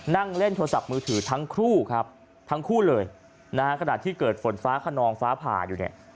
นั่งเล่นโทรศัพท์มือถือทั้งคู่ครับทั้งคู่เลยนะฮะขณะที่เกิดฝนฟ้าขนองฟ้าผ่าอยู่เนี่ย